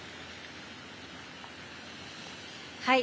はい。